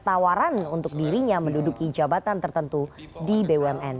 tawaran untuk dirinya menduduki jabatan tertentu di bumn